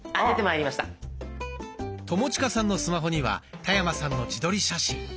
友近さんのスマホには田山さんの自撮り写真。